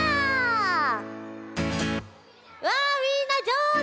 わあみんなじょうず！